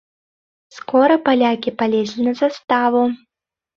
Скора палякі палезлі на заставу.